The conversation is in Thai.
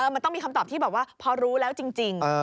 มันต้องมีคำตอบที่แบบว่าพอรู้แล้วจริง